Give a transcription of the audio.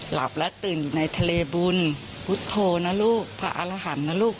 หลับและตื่นอยู่ในทะเลบุญพุทธโธนะลูกพระอารหันต์นะลูก